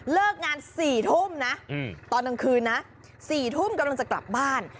เลิกงาน๔ทุ่มนะตอนกลางคืนนะ๔ทุ่มกำลังจะกลับบ้าน